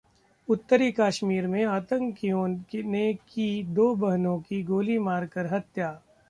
उत्तरी कश्मीर में आतंकियों ने की दो बहनों की गोली मारकर हत्या